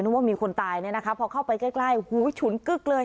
นึกว่ามีคนตายนี่นะคะพอเข้าไปใกล้โหฉุนกึกเลย